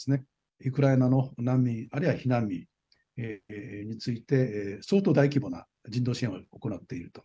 ウクライナの難民あるいは避難民について相当大規模な人道支援を行っていると。